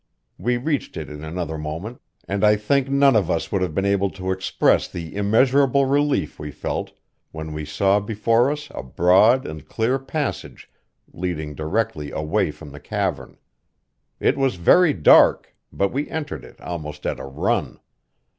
We reached it in another moment, and I think none of us would have been able to express the immeasurable relief we felt when we saw before us a broad and clear passage leading directly away from the cavern. It was very dark, but we entered it almost at a run.